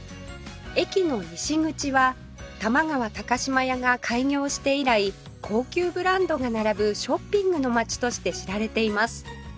駅の西口は玉川島屋が開業して以来高級ブランドが並ぶショッピングの街として知られています